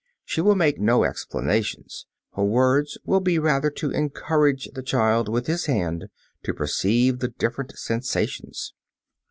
She will make no explanations; her words will be rather to encourage the child with his hand to perceive the different sensations.